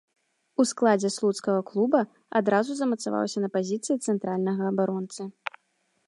У складзе слуцкага клуба адразу замацаваўся на пазіцыі цэнтральнага абаронцы.